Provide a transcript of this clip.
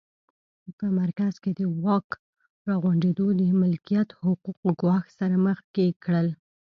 په مرکز کې د واک راغونډېدو د ملکیت حقوق ګواښ سره مخ کړل